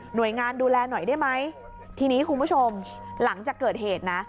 โดยงานดูแลหน่อยได้ไหมทีนี้คุณผู้ชมหลังจากเกิดเหตุนะ